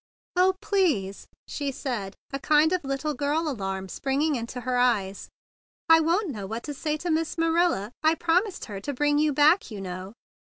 "Oh, please!" she said, a kind of little girl alarm springing into her eyes. "I sha'n't know what to say to Miss Marilla. I proipised her to bring you back, you know."